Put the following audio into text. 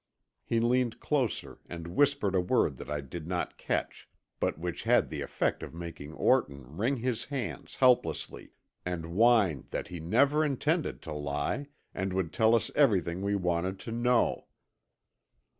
He leaned closer and whispered a word that I did not catch, but which had the effect of making Orton wring his hands helplessly, and whine that he never intended to lie, and would tell us everything we wanted to know.